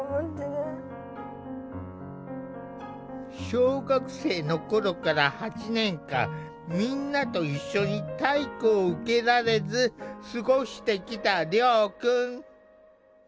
小学生の頃から８年間みんなと一緒に体育を受けられず過ごしてきた遼くん。